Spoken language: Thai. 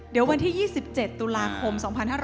เดี๋ยววันที่๒๗ตุลาคม๒๕๕๙